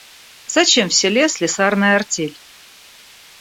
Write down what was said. Зачем в селе слесарная артель?